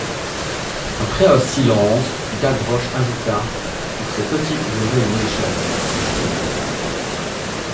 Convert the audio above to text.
Après un silence, Gavroche ajouta: — Pour ces petits j’aurai une échelle.